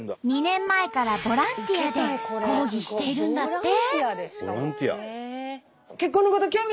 ２年前からボランティアで講義しているんだって。